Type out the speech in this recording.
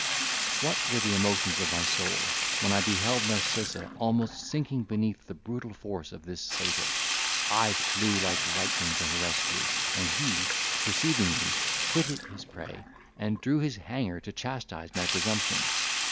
What were the emotions of my soul, when I beheld Narcissa almost sinking beneath the brutal force of this satyr! I flew like lightning to her rescue, and he, perceiving me, quitted his prey, and drew his hanger to chastise my presumption.